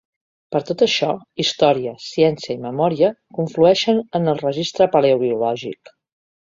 Per tot això, història, ciència i memòria conflueixen en el registre paleobiològic.